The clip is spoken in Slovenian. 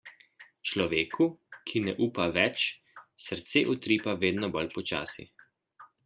Človeku, ki ne upa več, srce utripa vedno bolj počasi.